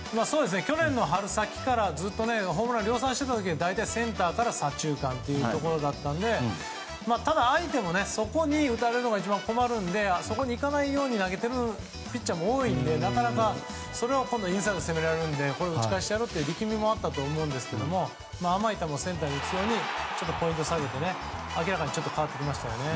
去年の春先からずっとホームランを量産していた時はセンターから左中間というところだったのでただ、相手もそこに打たれるのが一番困るのでそこにいかないように投げているピッチャーも多いのでなかなか今度はインサイドが攻められるので打ち返してやろうという力みもあったと思いますが甘い球をセンターに打つようにポイントを下げて明らかにちょっと変わってきましたよね。